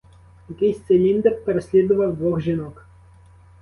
Якийсь циліндр переслідував двох жінок.